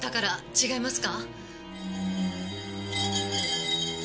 違いますか？